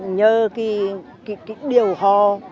nhờ cái điều hò